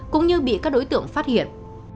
cũng như bị các đối tượng phát hiện